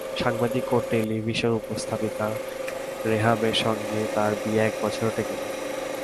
সাংবাদিক ও টেলিভিশন উপস্থাপিকা রেহামের সঙ্গে তাঁর বিয়ে এক বছরও টেকেনি।